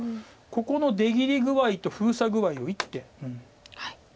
ここの出切り具合と封鎖具合を１手。